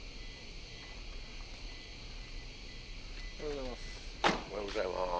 おはようございます。